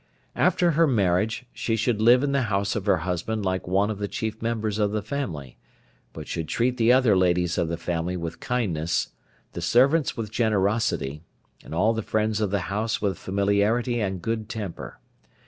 After her marriage she should live in the house of her husband like one of the chief members of the family, but should treat the other ladies of the family with kindness, the servants with generosity, and all the friends of the house with familiarity and good temper.